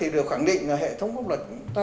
được khẳng định hệ thống quốc luật